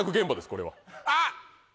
これはあっ！